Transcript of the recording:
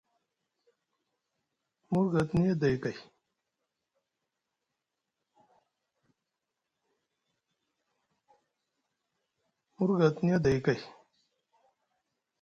Murga te niya day kay.